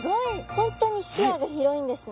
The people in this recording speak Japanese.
本当に視野が広いんですね。